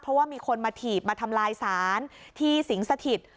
เพราะว่ามีคนมาถีบมาทำลายศาลที่สิงสถิต